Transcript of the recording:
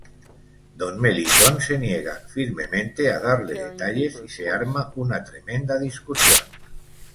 Don Melitón se niega firmemente a darle detalles y se arma una tremenda discusión.